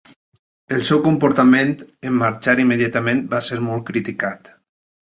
El seu comportament en marxar immediatament va ser molt criticat.